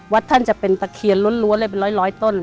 ท่านจะเป็นตะเคียนล้วนเลยเป็นร้อยต้น